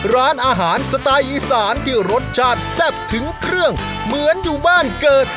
ร้านอาหารสไตล์อีสานที่รสชาติแซ่บถึงเครื่องเหมือนอยู่บ้านเกิด